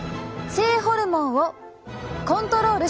性ホルモンのコントロール。